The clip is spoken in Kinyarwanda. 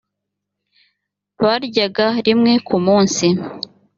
baryaga rimwe ku munsi